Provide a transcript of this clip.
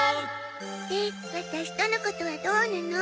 でワタシとのことはどうなの？